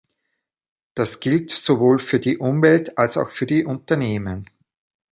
Das gilt sowohl für die Umwelt als auch für die Unternehmen.